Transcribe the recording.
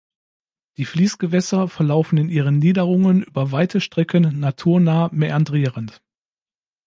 Die Fließgewässer verlaufen in ihren Niederungen über weite Strecken naturnah mäandrierend.